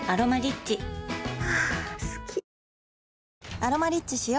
「アロマリッチ」しよ